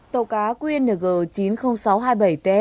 tàu cá qng chín mươi nghìn sáu trăm hai mươi bảy ts